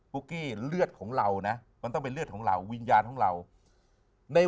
ุ๊กกี้เลือดของเรานะมันต้องเป็นเลือดของเราวิญญาณของเราใน